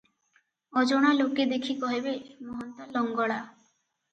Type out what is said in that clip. ଅଜଣା ଲୋକେ ଦେଖି କହିବେ, ମହନ୍ତ ଲଙ୍ଗଳା ।